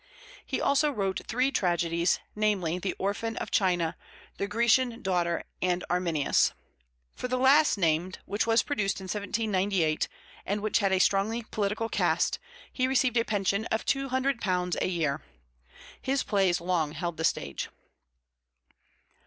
He also wrote three tragedies, namely, The Orphan of China; The Grecian Daughter; and Arminius. For the last named, which was produced in 1798, and which had a strongly political cast, he received a pension of £200 a year. His plays long held the stage.